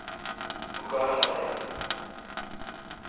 اوں کار نہ تھ۔